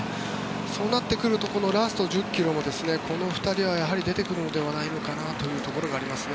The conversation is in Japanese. そうなってくるとラスト１０ｋｍもこの２人はやはり出てくるのではないのかなというところがありますね。